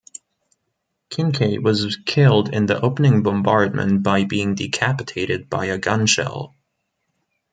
Kincaid was killed in the opening bombardment by being decapitated by a gun shell.